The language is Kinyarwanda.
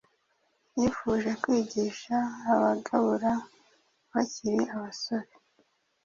Yifuje kwigisha abagabura bakiri abasore